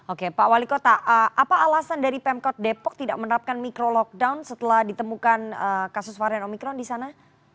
oke pak wali kota apa alasan dari pemkot depok tidak menerapkan micro lockdown setelah ditemukan kasus varian omikron di sana